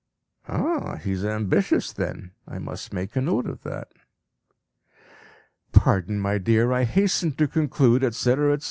(Ah! he is ambitious then! I must make a note of that.) "Pardon, my dear, I hasten to conclude, etc., etc.